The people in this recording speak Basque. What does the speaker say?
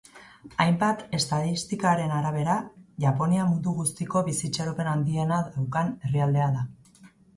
Hainbat estadistikaren arabera, Japonia mundu guztiko bizi itxaropen handiena daukan herrialdea da.